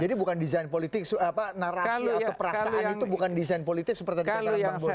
jadi bukan design politik narasi atau perasaan itu bukan design politik seperti di dalam bank